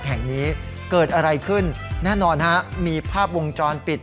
แห่งนี้เกิดอะไรขึ้นแน่นอนฮะมีภาพวงจรปิด